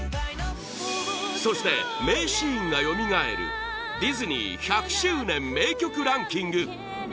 そして、名シーンがよみがえるディズニー１００周年名曲ランキング